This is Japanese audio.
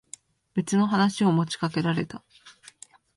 別の話を持ちかけられた。